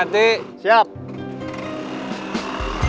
jangan berasa jauh kalian